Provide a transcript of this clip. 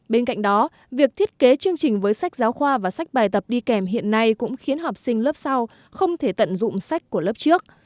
bên cạnh đó việc thiết kế chương trình với sách giáo khoa và sách bài tập đi kèm hiện nay cũng khiến học sinh lớp sau không thể tận dụng sách của lớp trước